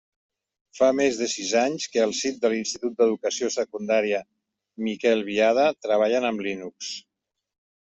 Fa més de sis anys que al SIT de l'Institut d'Educació Secundària Miquel Biada treballen amb Linux.